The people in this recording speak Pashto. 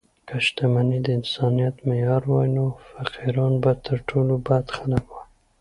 که شتمني د انسانیت معیار وای، نو فقیران به تر ټولو بد خلک وای.